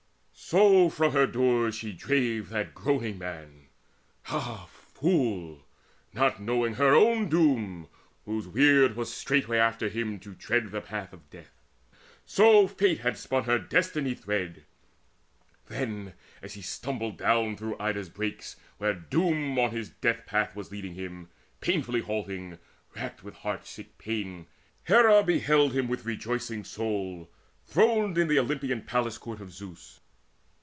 So from her doors she drave that groaning man Ah fool! not knowing her own doom, whose weird Was straightway after him to tread the path Of death! So Fate had spun her destiny thread. Then, as he stumbled down through Ida's brakes, Where Doom on his death path was leading him Painfully halting, racked with heart sick pain, Hera beheld him, with rejoicing soul Throned in the Olympian palace court of Zeus.